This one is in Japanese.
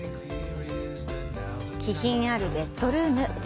気品あるベッドルーム。